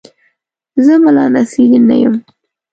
زه ملا نصرالدین نه یم.